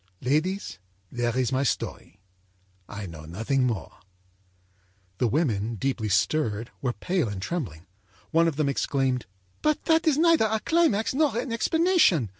âLadies, there is my story. I know nothing more.â The women, deeply stirred, were pale and trembling. One of them exclaimed: âBut that is neither a climax nor an explanation!